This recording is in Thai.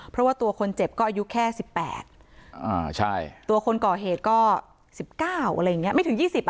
เพราะว่าตัวคนเจ็บก็อายุแค่๑๘ตัวคนก่อเหตุก็๑๙ไม่ถึง๒๐